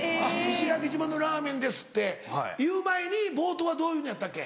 「石垣島のラーメンです」って言う前に冒頭はどういうのやったっけ？